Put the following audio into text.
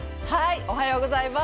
おはようございます。